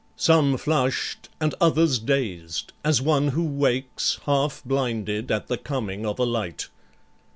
Some flush'd, and others dazed, as one who wakes Half blinded at the coming of a light.